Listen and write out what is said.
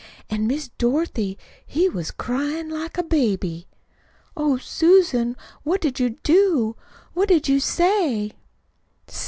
An', Miss Dorothy, he was cryin' like a baby." "Oh, Susan, what did you do? What did you say?"